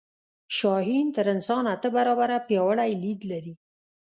شاهین تر انسان اته برابره پیاوړی لید لري